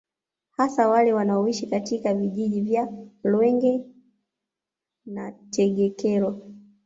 Hasa wale wanaoishi katika vijiji vya Longwe na Tegekero